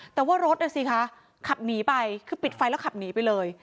แต่ว่ารถน่ะสิคะขับหนีไปคือปิดไฟแล้วขับหนีไปเลย